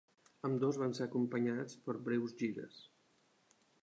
Ambdós van ser acompanyats per breus gires.